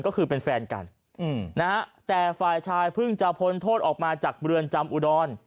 ก็คือเป็นแฟนกันนะฮะแต่ฝ่ายชายเพิ่งจะพ้นโทษออกมาจากเรือนจำอุดร